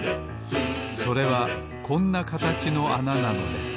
それはこんなかたちのあななのです